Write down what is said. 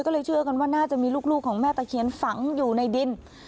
ก็เลยเชื่อกันว่าน่าจะมีลูกของแม่ตะเคียนฝังอยู่ในดิน